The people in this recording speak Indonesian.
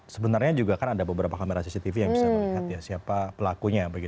sebenarnya juga kan ada beberapa kamera cctv yang bisa melihat ya siapa pelakunya